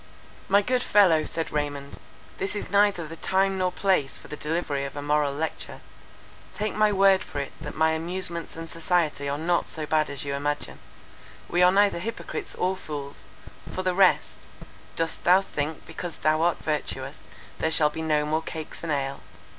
"My good fellow," said Raymond, "this is neither the time nor place for the delivery of a moral lecture: take my word for it that my amusements and society are not so bad as you imagine. We are neither hypocrites or fools —for the rest, 'Dost thou think because thou art virtuous, there shall be no more cakes and ale?